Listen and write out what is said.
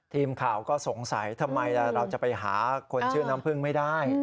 ทีมข่าวก็สงสัยทำไมเราจะไปหาคนชื่อน้ำพึ่งไม่ได้